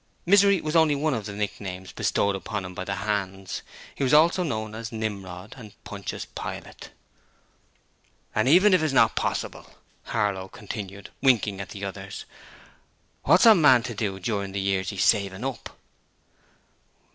'Misery' was only one of the nicknames bestowed upon him by the hands: he was also known as 'Nimrod' and 'Pontius Pilate'. 'And even if it's not possible,' Harlow continued, winking at the others, 'what's a man to do during the years he's savin' up?'